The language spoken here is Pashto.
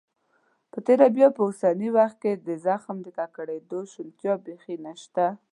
په تیره بیا په اوسني وخت کې د زخم د ککړېدو شونتیا بيخي نشته.